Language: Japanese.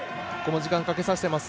時間かけさせてます。